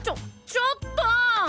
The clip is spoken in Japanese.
ちょっとォ！